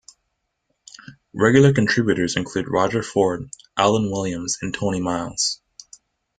Regular contributors include Roger Ford, Alan Williams and Tony Miles.